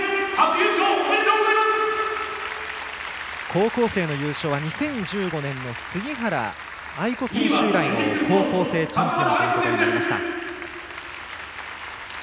高校生の優勝は２０１５年以来の杉原愛子選手以来の高校生チャンピオンとなりました。